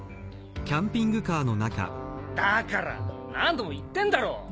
だから何度も言ってんだろ！？